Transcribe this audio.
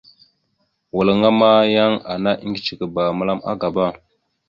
Walŋa ma, yan ana iŋgəcekaba məla agaba.